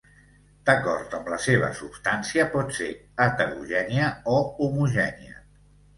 D'acord amb la seva substància pot ser: heterogènia o homogènia.